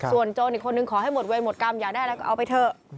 ส่วนโจรอีกคนนึงขอให้หมดเวรหมดกรรมอยากได้อะไรก็เอาไปเถอะ